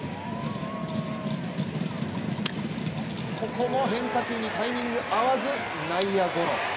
ここも変化球にタイミング合わず内野ゴロ。